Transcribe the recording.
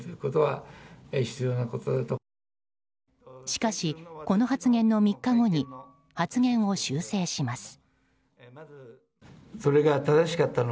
しかし、この発言の３日後に発言を修正します。